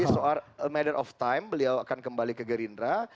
soal matter of time beliau akan kembali ke gerindra